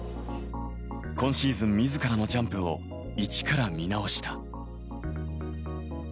今シーズン自らのジャンプをイチから見直した。